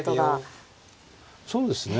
そうですね。